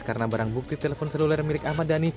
karena barang bukti telepon seluler milik ahmad dhani